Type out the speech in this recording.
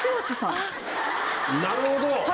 なるほど。